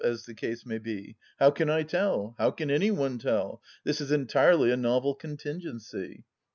as the case may be. " How can I tell ?"" How can any one tell ? This is entirely a novel contingency."